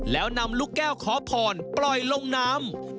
แล้วนำลูกแก้วขอพรปล่อยลงน้ำ